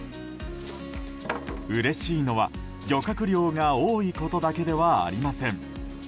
うれしいのは漁獲量が多いことだけではありません。